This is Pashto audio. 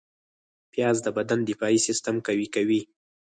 پیاز د بدن دفاعي سیستم قوي کوي